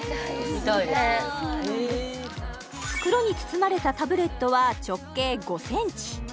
見たい袋に包まれたタブレットは直径５ｃｍ